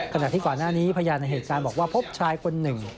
ขณะที่ก่อนหน้านี้พยานในเหตุการณ์บอกว่าพบชายคนหนึ่ง